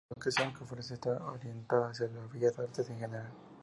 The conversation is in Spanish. La educación que ofrece está orientada hacía las Bellas Artes en general.